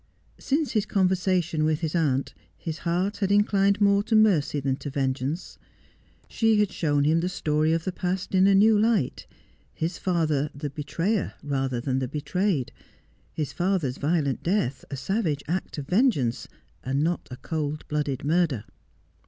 Since his conversation with his aunt, his heart had inclined more to mercy than to vengeance. She had shown him the story of the past in a new light — his father, the betrayer rather than the betrayed — his father's violent death a savage act of vengeance, and not a cold blooded murder.